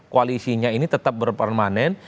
koalisinya ini tetap berpermanen